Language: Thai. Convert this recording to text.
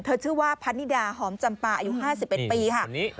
เธอชื่อว่าพันนิดาหอมจำปลาอายุ๕๑ปี